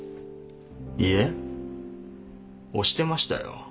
いえ押してましたよ。